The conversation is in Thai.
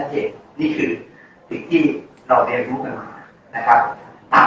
ก็คือว่านักตรงนี้ยังหา